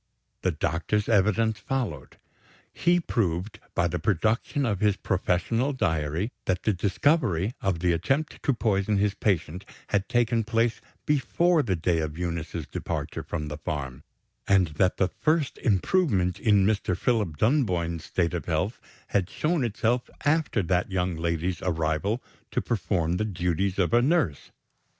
The doctor's evidence followed. He proved, by the production of his professional diary, that the discovery of the attempt to poison his patient had taken place before the day of Eunice's departure from the farm, and that the first improvement in Mr. Philip Dunboyne's state of health had shown itself after that young lady's arrival to perform the duties of a nurse.